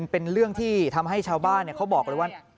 เป็นเรื่องที่ทำให้ชาวบ้านเขาบอกเลยว่า